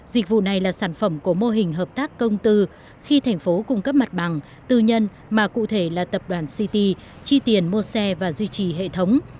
dịch vụ này là sản phẩm của mô hình hợp tác công tư khi thành phố cung cấp mặt bằng tư nhân mà cụ thể là tập đoàn ct chi tiền mua xe và duy trì hệ thống